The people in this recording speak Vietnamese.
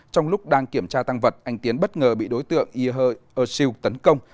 trong lúc đang kiểm tra tăng vật anh tiến bất ngờ bị đối tượng ihear siu tấn công